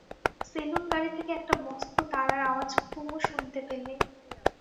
সেলুন-গাড়ি থেকে একটা মস্ত তাড়ার আওয়াজ কুমু শুনতে পেলে।